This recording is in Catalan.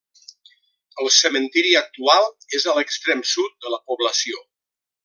El cementiri actual és a l'extrem sud de la població.